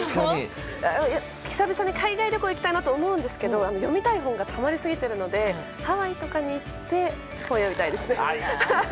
久々に海外旅行行きたいなと思うんですけど読みたい本がたまりすぎているのでハワイとかに行って読みたいです。